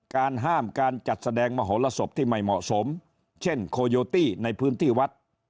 การห้ามการจัดแสดงมโหลสบที่ไม่เหมาะสมเช่นโคโยตี้ในพื้นที่วัด